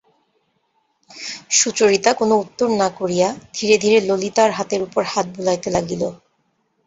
সুচরিতা কোনো উত্তর না করিয়া ধীরে ধীরে ললিতার হাতের উপর হাত বুলাইতে লাগিল।